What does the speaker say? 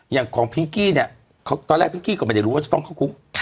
อย่างของพิงกี้เนี่ยตอนแรกพิงกี้ก็ไม่ได้รู้ว่าจะต้องเข้าคุก